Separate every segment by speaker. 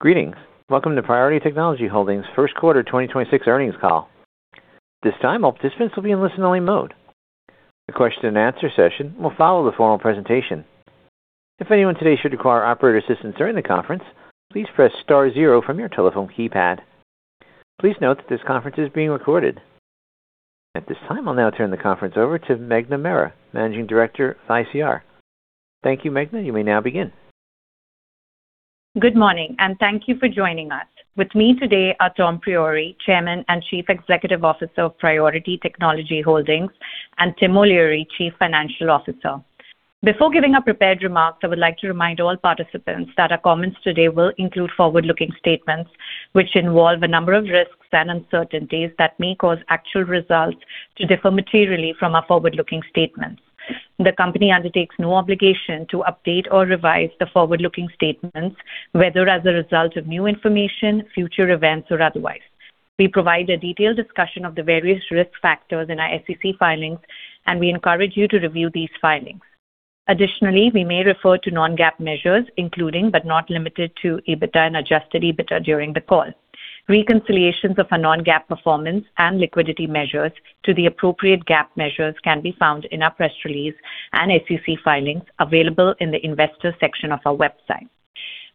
Speaker 1: Greetings. Welcome to Priority Technology Holdings First Quarter 2026 Earnings Call. At this time, all participants will be in listen-only mode. The question and answer session will follow the formal presentation. If anyone today should require operator assistance during the conference, please press star 0 from your telephone keypad. Please note that this conference is being recorded. At this time, I'll now turn the conference over to Meghna Mehra, Managing Director of ICR. Thank you, Meghna. You may now begin.
Speaker 2: Good morning, and thank you for joining us. With me today are Tom Priore, Chairman and Chief Executive Officer of Priority Technology Holdings, and Tim O'Leary, Chief Financial Officer. Before giving our prepared remarks, I would like to remind all participants that our comments today will include forward-looking statements which involve a number of risks and uncertainties that may cause actual results to differ materially from our forward-looking statements. The company undertakes no obligation to update or revise the forward-looking statements, whether as a result of new information, future events, or otherwise. We provide a detailed discussion of the various risk factors in our SEC filings, and we encourage you to review these filings. Additionally, we may refer to non-GAAP measures, including but not limited to EBITDA and adjusted EBITDA during the call. Reconciliations of our non-GAAP performance and liquidity measures to the appropriate GAAP measures can be found in our press release and SEC filings available in the Investors section of our website.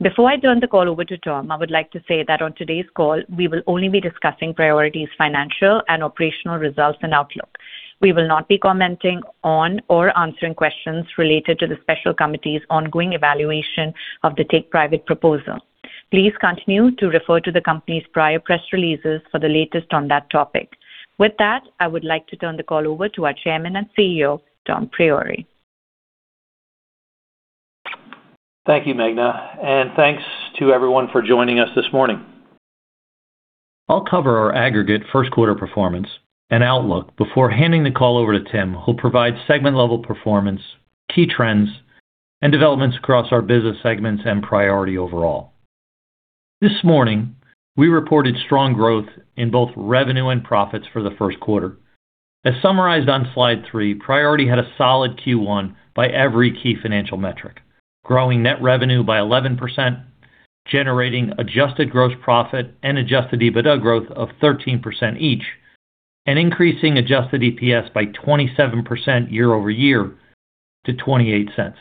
Speaker 2: Before I turn the call over to Tom, I would like to say that on today's call, we will only be discussing Priority's financial and operational results and outlook. We will not be commenting on or answering questions related to the special committee's ongoing evaluation of the take-private proposal. Please continue to refer to the company's prior press releases for the latest on that topic. With that, I would like to turn the call over to our Chairman and CEO, Tom Priore.
Speaker 3: Thank you, Meghna, and thanks to everyone for joining us this morning. I'll cover our aggregate first quarter performance and outlook before handing the call over to Tim, who'll provide segment-level performance, key trends, and developments across our business segments and Priority overall. This morning, we reported strong growth in both revenue and profits for the first quarter. As summarized on slide three, Priority had a solid Q1 by every key financial metric, growing net revenue by 11%, generating adjusted gross profit and adjusted EBITDA growth of 13% each, and increasing adjusted EPS by 27% year-over-year to $0.28.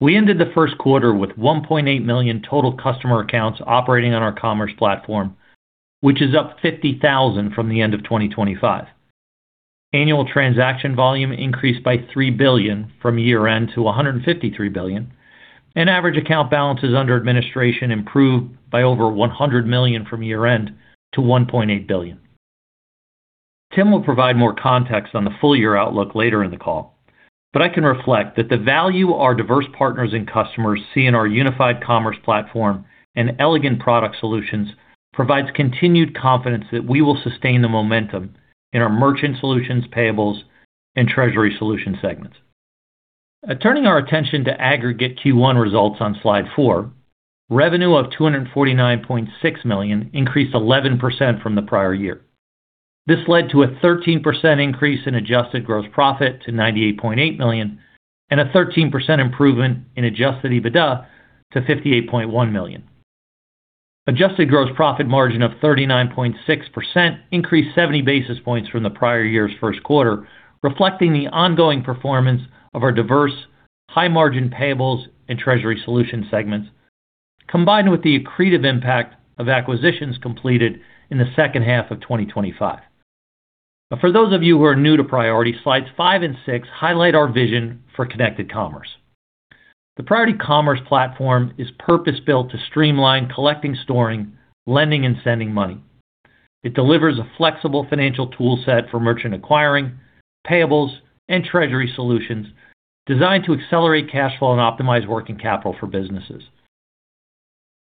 Speaker 3: We ended the first quarter with 1.8 million total customer accounts operating on our commerce platform, which is up 50,000 from the end of 2025. Annual transaction volume increased by $3 billion from year-end to $153 billion, and average account balances under administration improved by over $100 million from year-end to $1.8 billion. Tim will provide more context on the full-year outlook later in the call, but I can reflect that the value our diverse partners and customers see in our unified commerce platform and elegant product solutions provides continued confidence that we will sustain the momentum in our Merchant Solutions, Payables, and treasury solution segments. Turning our attention to aggregate Q1 results on slide four, revenue of $249.6 million increased 11% from the prior year. This led to a 13% increase in adjusted gross profit to $98.8 million and a 13% improvement in adjusted EBITDA to $58.1 million. Adjusted gross profit margin of 39.6% increased 70 basis points from the prior year's first quarter, reflecting the ongoing performance of our diverse high-margin Payables and treasury solution segments, combined with the accretive impact of acquisitions completed in the second half of 2025. For those of you who are new to Priority, slides five and six highlight our vision for connected commerce. The Priority commerce platform is purpose-built to streamline collecting, storing, lending, and sending money. It delivers a flexible financial tool set for merchant acquiring, payables, and Treasury Solutions designed to accelerate cash flow and optimize working capital for businesses.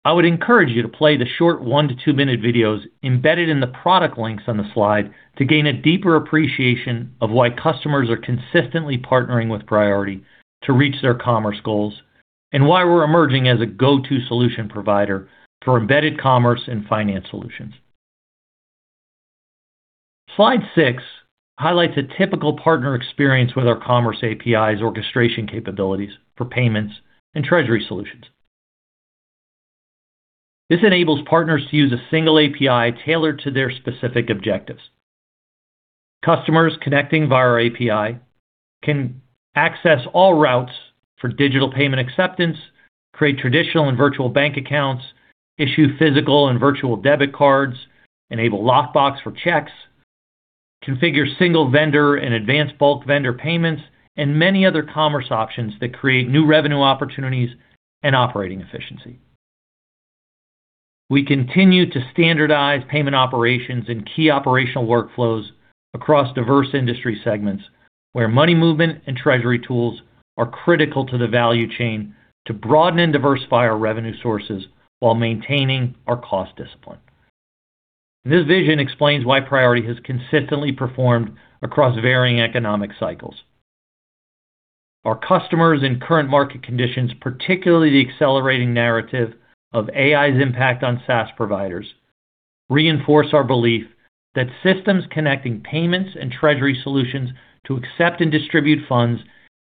Speaker 3: I would encourage you to play the short one-to-two-minute videos embedded in the product links on the slide to gain a deeper appreciation of why customers are consistently partnering with Priority to reach their commerce goals and why we're emerging as a go-to solution provider for embedded commerce and finance solutions. Slide six highlights a typical partner experience with our commerce API's orchestration capabilities for payments and Treasury Solutions. This enables partners to use a single API tailored to their specific objectives. Customers connecting via our API can access all routes for digital payment acceptance, create traditional and virtual bank accounts, issue physical and virtual debit cards, enable lockbox for checks, configure single vendor and advanced bulk vendor payments, and many other commerce options that create new revenue opportunities and operating efficiency. We continue to standardize payment operations and key operational workflows across diverse industry segments where money movement and treasury tools are critical to the value chain to broaden and diversify our revenue sources while maintaining our cost discipline. This vision explains why Priority has consistently performed across varying economic cycles. Our customers in current market conditions, particularly the accelerating narrative of AI's impact on SaaS providers reinforce our belief that systems connecting payments and Treasury Solutions to accept and distribute funds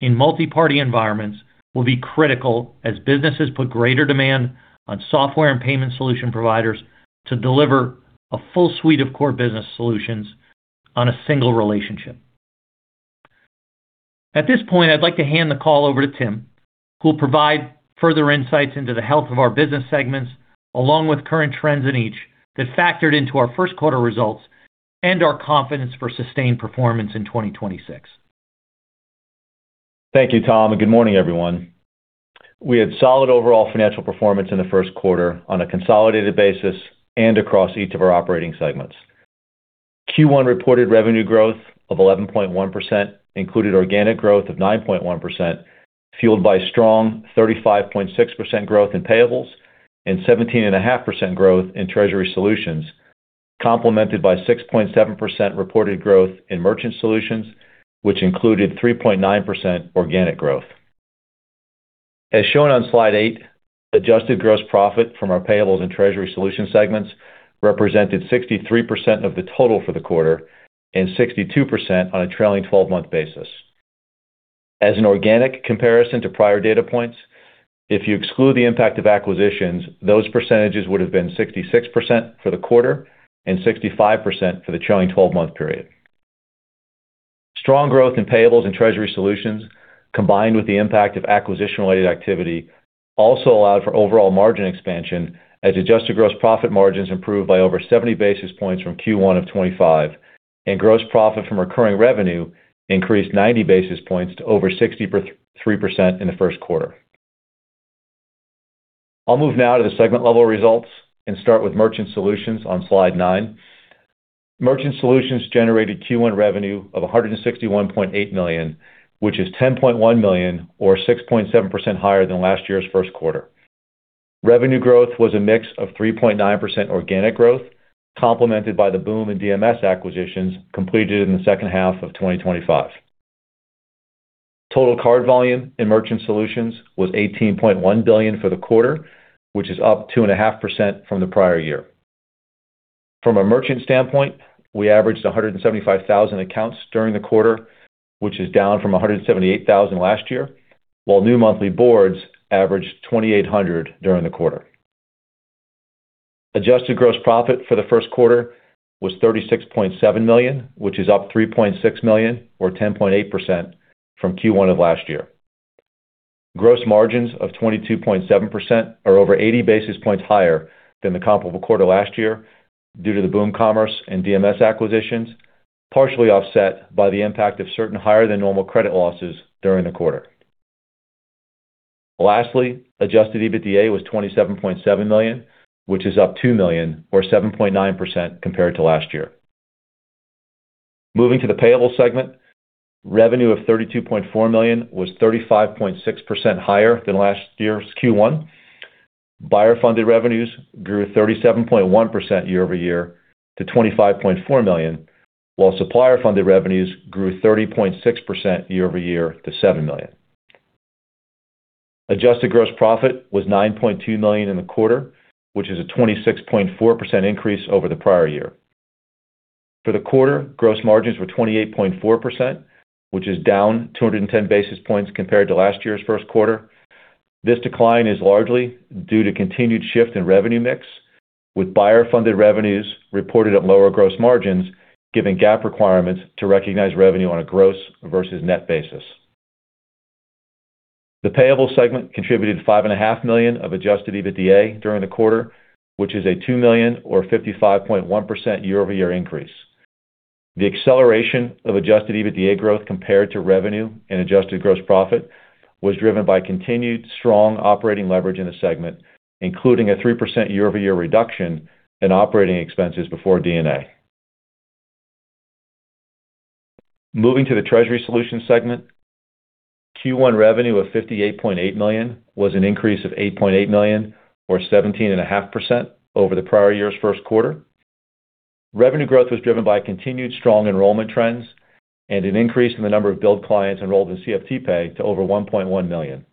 Speaker 3: in multi-party environments will be critical as businesses put greater demand on software and payment solution providers to deliver a full suite of core business solutions on a single relationship. At this point, I'd like to hand the call over to Tim, who will provide further insights into the health of our business segments, along with current trends in each that factored into our first quarter results and our confidence for sustained performance in 2026.
Speaker 4: Thank you, Tom, and good morning, everyone. We had solid overall financial performance in the first quarter on a consolidated basis and across each of our operating segments. Q1 reported revenue growth of 11.1% included organic growth of 9.1%, fueled by strong 35.6% growth in Payables and 17.5% growth in Treasury Solutions, complemented by 6.7% reported growth in Merchant Solutions, which included 3.9% organic growth. As shown on slide eight, adjusted gross profit from our Payables and treasury solution segments represented 63% of the total for the quarter and 62% on a trailing 12-month basis. As an organic comparison to prior data points, if you exclude the impact of acquisitions, those percentages would have been 66% for the quarter and 65% for the trailing 12-month period. Strong growth in Payables and Treasury Solutions, combined with the impact of acquisition-related activity, also allowed for overall margin expansion as adjusted gross profit margins improved by over 70 basis points from Q1 of 2025, and gross profit from recurring revenue increased 90 basis points to over 63% in the first quarter. I'll move now to the segment-level results and start with Merchant Solutions on slide nine. Merchant Solutions generated Q1 revenue of $161.8 million, which is $10.1 million or 6.7% higher than last year's first quarter. Revenue growth was a mix of 3.9% organic growth, complemented by the Boom and DMS acquisitions completed in the second half of 2025. Total card volume in Merchant Solutions was $18.1 billion for the quarter, which is up 2.5% from the prior year. From a merchant standpoint, we averaged 175,000 accounts during the quarter, which is down from 178,000 last year, while new monthly boards averaged 2,800 during the quarter. Adjusted gross profit for the first quarter was $36.7 million, which is up $3.6 million or 10.8% from Q1 of last year. Gross margins of 22.7% are over 80 basis points higher than the comparable quarter last year due to the Boom Commerce and DMS acquisitions, partially offset by the impact of certain higher-than-normal credit losses during the quarter. Lastly, Adjusted EBITDA was $27.7 million, which is up $2 million or 7.9% compared to last year. Moving to the Payables segment, revenue of $32.4 million was 35.6% higher than last year's Q1. Buyer-funded revenues grew 37.1% year-over-year to $25.4 million, while supplier-funded revenues grew 30.6% year-over-year to $7 million. Adjusted gross profit was $9.2 million in the quarter, which is a 26.4% increase over the prior year. For the quarter, gross margins were 28.4%, which is down 210 basis points compared to last year's first quarter. This decline is largely due to continued shift in revenue mix, with buyer-funded revenues reported at lower gross margins, given GAAP requirements to recognize revenue on a gross versus net basis. The Payables segment contributed $5.5 million of adjusted EBITDA during the quarter, which is a $2 million or 55.1% year-over-year increase. The acceleration of adjusted EBITDA growth compared to revenue and adjusted gross profit was driven by continued strong operating leverage in the segment, including a 3% year-over-year reduction in operating expenses before D&A. Moving to the Treasury Solutions segment, Q1 revenue of $58.8 million was an increase of $8.8 million or 17.5% over the prior year's first quarter. Revenue growth was driven by continued strong enrollment trends and an increase in the number of billed clients enrolled in CFTPay to over 1.1 million,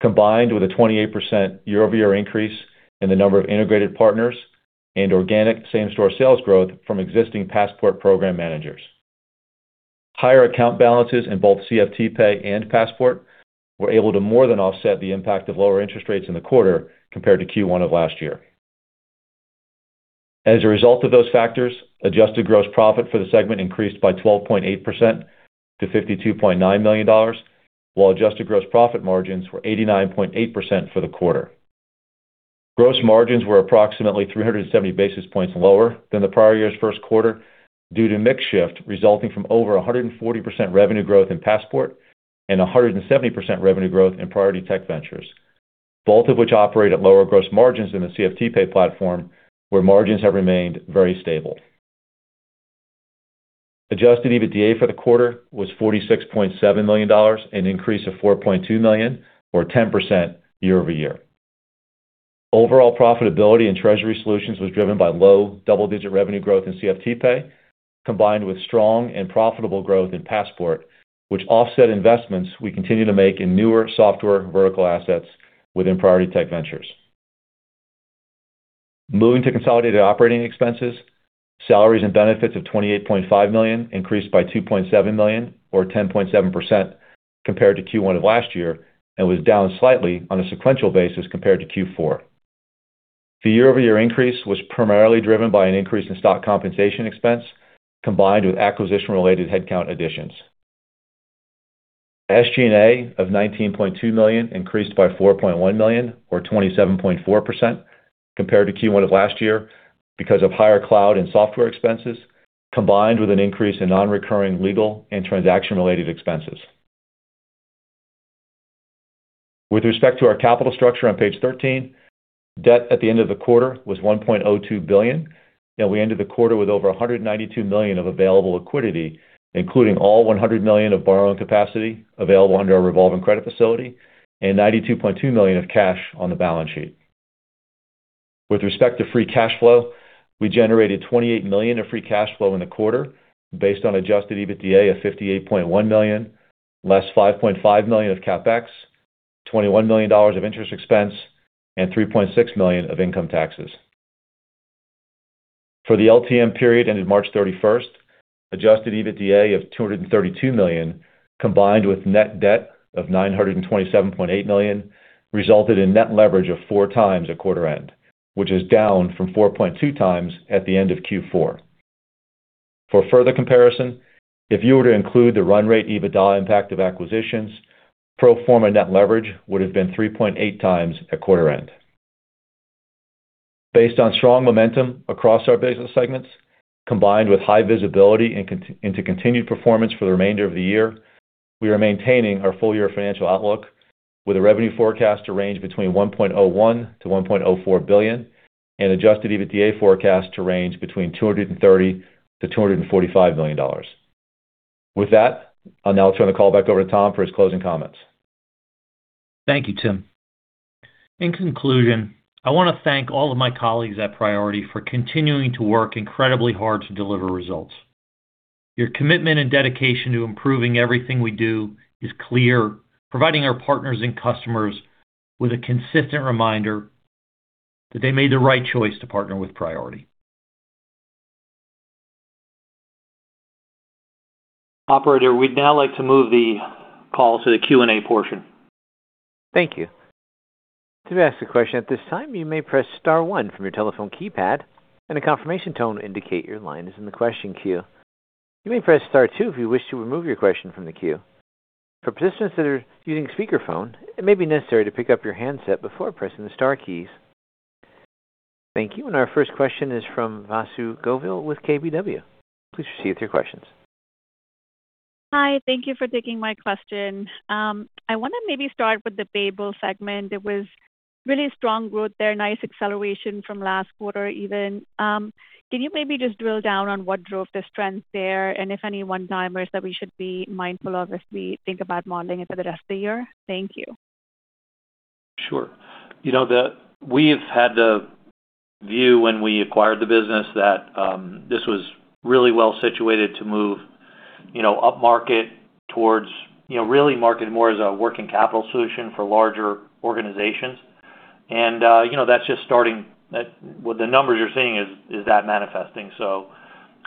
Speaker 4: combined with a 28% year-over-year increase in the number of integrated partners and organic same-store sales growth from existing Passport program managers. Higher account balances in both CFTPay and Passport were able to more than offset the impact of lower interest rates in the quarter compared to Q1 of last year. As a result of those factors, adjusted gross profit for the segment increased by 12.8% to $52.9 million, while adjusted gross profit margins were 89.8% for the quarter. Gross margins were approximately 370 basis points lower than the prior year's first quarter due to mix shift resulting from over 140% revenue growth in Passport and 170% revenue growth in Priority Tech Ventures, both of which operate at lower gross margins than the CFTPay platform, where margins have remained very stable. Adjusted EBITDA for the quarter was $46.7 million, an increase of $4.2 million or 10% year-over-year. Overall profitability in Treasury Solutions was driven by low double-digit revenue growth in CFTPay, combined with strong and profitable growth in Passport, which offset investments we continue to make in newer software vertical assets within Priority Tech Ventures. Moving to consolidated operating expenses, salaries, and benefits of $28.5 million increased by $2.7 million or 10.7% compared to Q1 of last year, and was down slightly on a sequential basis compared to Q4. The year-over-year increase was primarily driven by an increase in stock compensation expense combined with acquisition-related headcount additions. SG&A of $19.2 million increased by $4.1 million or 27.4% compared to Q1 of last year because of higher cloud and software expenses, combined with an increase in non-recurring legal and transaction-related expenses. With respect to our capital structure on page 13, debt at the end of the quarter was $1.02 billion, and we ended the quarter with over $192 million of available liquidity, including all $100 million of borrowing capacity available under our revolving credit facility and $92.2 million of cash on the balance sheet. With respect to free cash flow, we generated $28 million in free cash flow in the quarter based on adjusted EBITDA of $58.1 million, less $5.5 million of CapEx, $21 million of interest expense, and $3.6 million of income taxes. For the LTM period ended March 31st, adjusted EBITDA of $232 million, combined with net debt of $927.8 million, resulted in net leverage of four times at quarter end, which is down from 4.2 times at the end of Q4. For further comparison, if you were to include the run rate EBITDA impact of acquisitions, pro forma net leverage would have been 3.8 times at quarter end. Based on strong momentum across our business segments, combined with high visibility into continued performance for the remainder of the year, we are maintaining our full year financial outlook with a revenue forecast to range between $1.01 billion-$1.04 billion and adjusted EBITDA forecast to range between $230 million-$245 million. With that, I'll now turn the call back over to Tom for his closing comments.
Speaker 3: Thank you, Tim. In conclusion, I wanna thank all of my colleagues at Priority for continuing to work incredibly hard to deliver results. Your commitment and dedication to improving everything we do is clear, providing our partners and customers with a consistent reminder that they made the right choice to partner with Priority. Operator, we'd now like to move the call to the Q&A portion.
Speaker 1: Thank you. To ask the question this time, you may press star one for the telephone keypad and confirmation tone indicate your line is in question queue. You may press star two if you wish to remove your question from the queue, please consider you speaker phone and maybe necessary to pick up you handset before to pressing the star keys. Thank you. Our first question is from Vasu Govil with KBW. Please proceed with your questions.
Speaker 5: Hi, thank you for taking my question. I want to maybe start with the Payables segment. It was really strong growth there, nice acceleration from last quarter even. Can you maybe just drill down on what drove the strength there and if any one-timers that we should be mindful of as we think about modeling it for the rest of the year? Thank you.
Speaker 3: Sure. You know, We have had the view when we acquired the business that, this was really well situated to move, you know, upmarket towards, you know, really marketed more as a working capital solution for larger organizations. You know, that's just With the numbers you're seeing is that manifesting.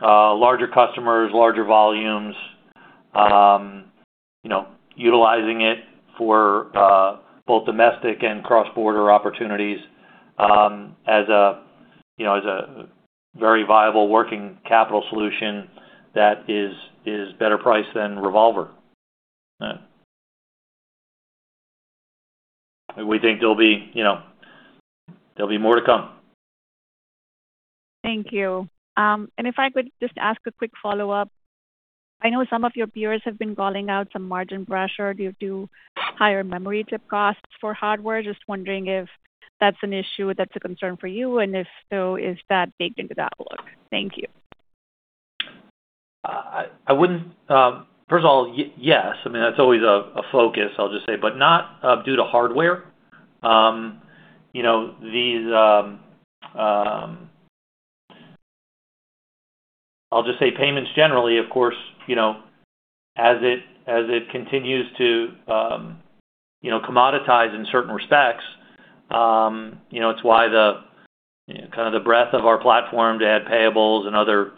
Speaker 3: Larger customers, larger volumes, you know, utilizing it for, both domestic and cross-border opportunities, as a, you know, as a very viable working capital solution that is better priced than revolver. We think there'll be, you know, there'll be more to come.
Speaker 5: Thank you. If I could just ask a quick follow-up. I know some of your peers have been calling out some margin pressure due to higher memory chip costs for hardware. Just wondering if that's an issue that's a concern for you, and if so, is that baked into the outlook? Thank you.
Speaker 3: First of all, yes, I mean, that's always a focus, I'll just say, but not due to hardware. You know, these, I'll just say payments generally, of course, you know, as it continues to, you know, commoditize in certain respects, you know, it's why the, kinda the breadth of our platform to add Payables and other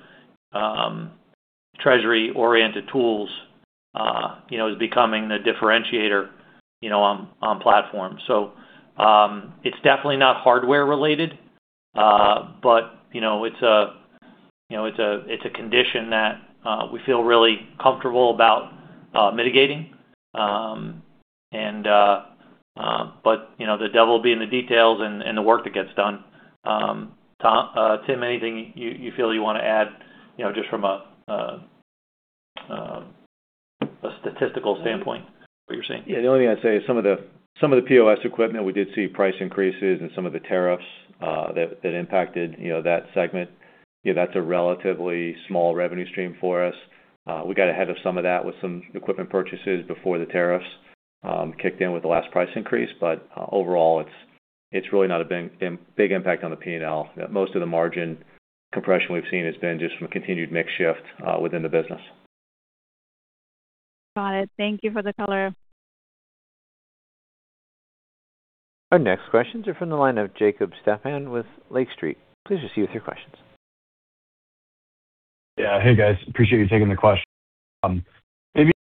Speaker 3: treasury-oriented tools, you know, is becoming the differentiator, you know, on platform. It's definitely not hardware related, but, you know, it's a condition that we feel really comfortable about mitigating. And, you know, the devil will be in the details and the work that gets done.
Speaker 5: Tom, Tim, anything you feel you wanna add, you know, just from a statistical standpoint, what you're seeing?
Speaker 4: The only thing I'd say is some of the, some of the POS equipment, we did see price increases and some of the tariffs that impacted, you know, that segment. That's a relatively small revenue stream for us. We got ahead of some of that with some equipment purchases before the tariffs kicked in with the last price increase. Overall, it's really not a big impact on the P&L. Most of the margin compression we've seen has been just from continued mix shift within the business.
Speaker 5: Got it. Thank you for the color.
Speaker 1: Our next questions are from the line of Jacob Stephan with Lake Street. Please receive your questions.
Speaker 6: Yeah. Hey, guys. Appreciate you taking the questions. Maybe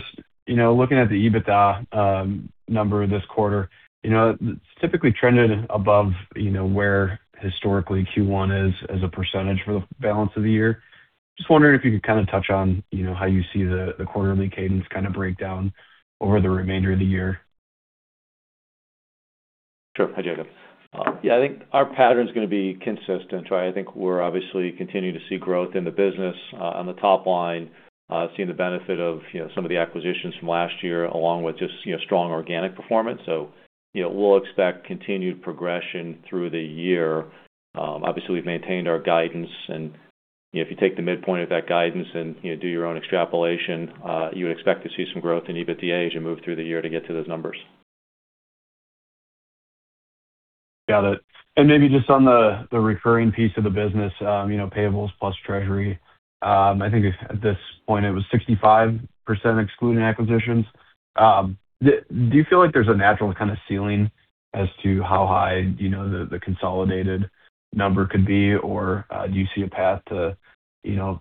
Speaker 6: just, you know, looking at the EBITDA number this quarter, you know, it's typically trended above, you know, where historically Q1 is as a percentage for the balance of the year. Just wondering if you could kinda touch on, you know, how you see the quarterly cadence kinda breakdown over the remainder of the year?
Speaker 4: Sure. Hi, Jacob. Yeah, I think our pattern's gonna be consistent, right? I think we're obviously continuing to see growth in the business on the top line, seeing the benefit of, you know, some of the acquisitions from last year, along with just, you know, strong organic performance. You know, we'll expect continued progression through the year. Obviously we've maintained our guidance and, you know, if you take the midpoint of that guidance and, you know, do your own extrapolation, you would expect to see some growth in EBITDA as you move through the year to get to those numbers.
Speaker 6: Got it. Maybe just on the recurring piece of the business, you know, Payables plus treasury, I think at this point it was 65% excluding acquisitions. Do you feel like there's a natural kinda ceiling as to how high, you know, the consolidated number could be? Or do you see a path to, you know,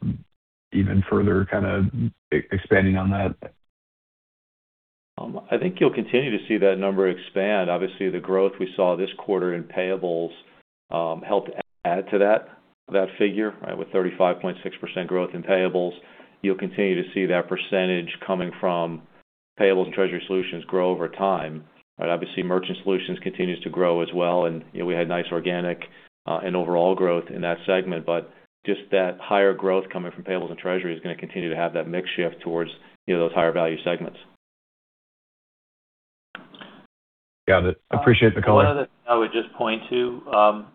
Speaker 6: even further kinda expanding on that?
Speaker 4: I think you'll continue to see that number expand. Obviously, the growth we saw this quarter in Payables, helped add to that figure, right, with 35.6% growth in Payables. You'll continue to see that percentage coming from Payables and Treasury Solutions grow over time. Obviously, Merchant Solutions continues to grow as well. You know, we had nice organic and overall growth in that segment, but just that higher growth coming from Payables and treasury is gonna continue to have that mix shift towards, you know, those higher value segments.
Speaker 6: Got it. Appreciate the color.
Speaker 3: One other thing I would just point to,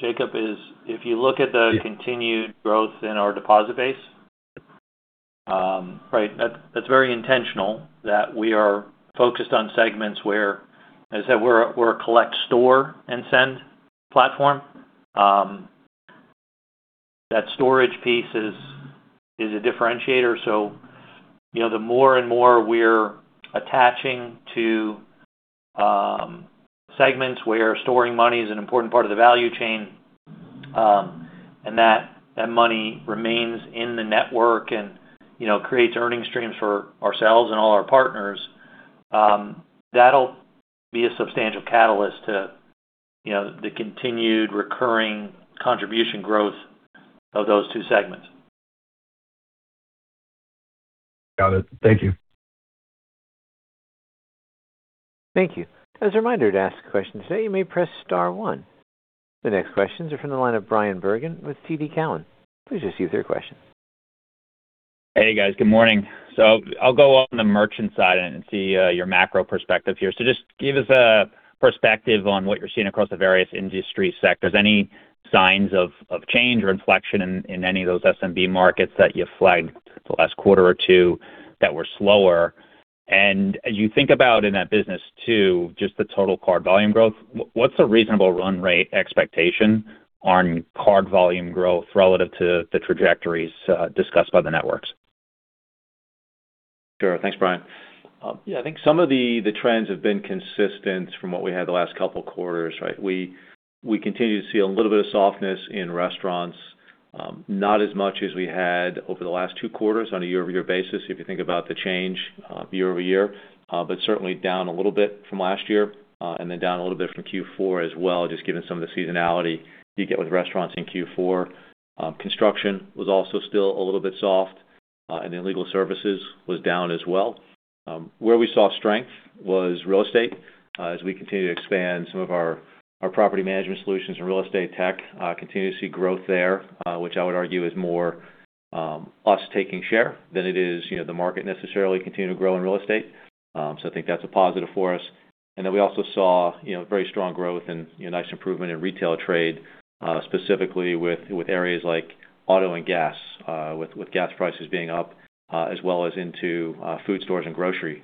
Speaker 3: Jacob, is if you look at the continued growth in our deposit base, right, that's very intentional that we are focused on segments where, as I said, we're a collect, store, and send platform. That storage piece is a differentiator, so, you know, the more and more we're attaching to segments where storing money is an important part of the value chain, and that money remains in the network and, you know, creates earning streams for ourselves and all our partners, that'll be a substantial catalyst to, you know, the continued recurring contribution growth of those two segments.
Speaker 6: Got it. Thank you.
Speaker 1: Thank you. As a reminder, to ask questions today, you may press star one. The next questions are from the line of Bryan Bergin with TD Cowen. Please proceed with your question.
Speaker 7: Hey, guys. Good morning. I'll go on the merchant side and see your macro perspective here. Just give us a perspective on what you're seeing across the various industry sectors. Any signs of change or inflection in any of those SMB markets that you flagged the last quarter or two that were slower? As you think about in that business too, just the total card volume growth, what's a reasonable run rate expectation on card volume growth relative to the trajectories discussed by the networks?
Speaker 4: Sure. Thanks, Bryan Bergin. I think some of the trends have been consistent from what we had the last couple quarters, right? We continue to see a little bit of softness in restaurants. Not as much as we had over the last two quarters on a year-over-year basis, if you think about the change year-over-year, but certainly down a little bit from last year, down a little bit from Q4 as well, just given some of the seasonality you get with restaurants in Q4. Construction was also still a little bit soft, legal services was down as well. Where we saw strength was real estate. As we continue to expand some of our property management solutions and real estate tech, continue to see growth there, which I would argue is more us taking share than it is, you know, the market necessarily continue to grow in real estate. I think that's a positive for us. We also saw, you know, very strong growth and, you know, nice improvement in retail trade, specifically with areas like auto and gas, with gas prices being up, as well as into food stores and grocery,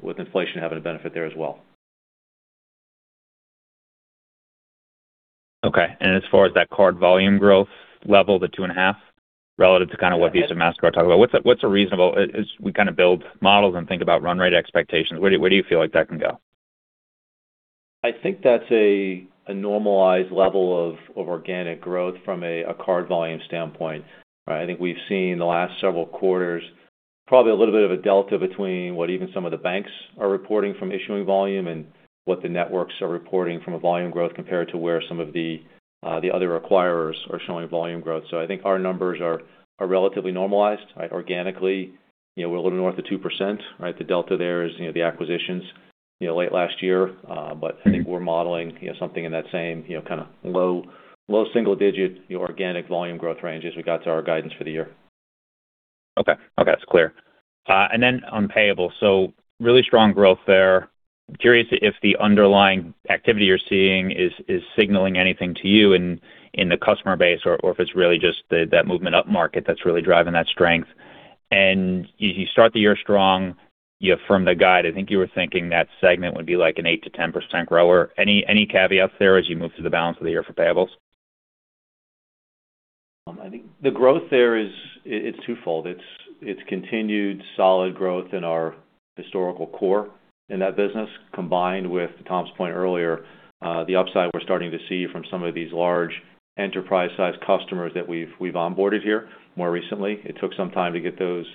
Speaker 4: with inflation having a benefit there as well.
Speaker 7: Okay. As far as that card volume growth level, the 2.5 relative to kind of what Visa and Mastercard are talking about, what's a reasonable, as we kinda build models and think about run rate expectations, where do you feel like that can go?
Speaker 4: I think that's a normalized level of organic growth from a card volume standpoint, right? I think we've seen the last several quarters probably a little bit of a delta between what even some of the banks are reporting from issuing volume and what the networks are reporting from a volume growth compared to where some of the other acquirers are showing volume growth. I think our numbers are relatively normalized, right? Organically, you know, we're a little north of 2%, right? The delta there is, you know, the acquisitions, you know, late last year. I think we're modeling, you know, something in that same, you know, kinda low single digit organic volume growth range as we got to our guidance for the year.
Speaker 7: Okay. Okay, that's clear. Then on Payables. Really strong growth there. Curious if the underlying activity you're seeing is signaling anything to you in the customer base or if it's really just that movement up market that's really driving that strength. You start the year strong, you affirmed the guide. I think you were thinking that segment would be like an 8%-10% grower. Any caveats there as you move through the balance of the year for Payables?
Speaker 4: I think the growth there is twofold. It's continued solid growth in our historical core in that business, combined with Tom's point earlier, the upside we're starting to see from some of these large enterprise-sized customers that we've onboarded here more recently. It took some time to get those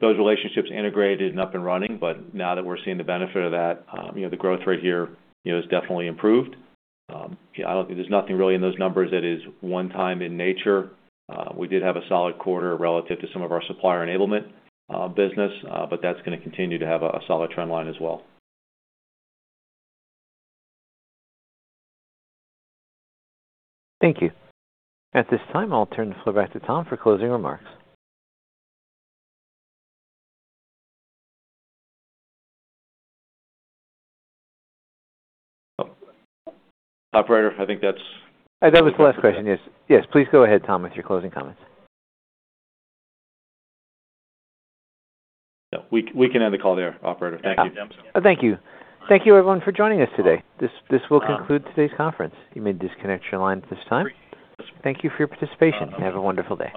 Speaker 4: relationships integrated and up and running. Now that we're seeing the benefit of that, you know, the growth rate here, you know, has definitely improved. Yeah, I don't think there's nothing really in those numbers that is one time in nature. We did have a solid quarter relative to some of our supplier enablement business. That's gonna continue to have a solid trend line as well.
Speaker 1: Thank you. At this time, I'll turn the floor back to Tom for closing remarks.
Speaker 4: Oh. Operator, I think.
Speaker 1: That was the last question. Yes, yes. Please go ahead, Tom, with your closing comments.
Speaker 3: Yeah. We can end the call there, operator. Thank you.
Speaker 1: Thank you. Thank you everyone for joining us today. This will conclude today's conference. You may disconnect your lines at this time. Thank you for your participation and have a wonderful day.